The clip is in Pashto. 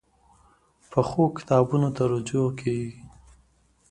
پخو کتابونو ته رجوع کېږي